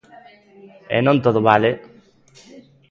E non todo vale.